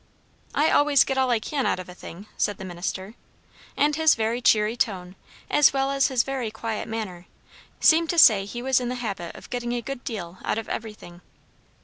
"I always get all I can out of a thing," said the minister. And his very cheery tone, as well as his very quiet manner, seemed to say he was in the habit of getting a good deal out of everything.